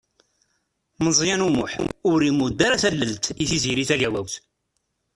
Meẓyan U Muḥ ur imudd ara tallelt i Tiziri Tagawawt.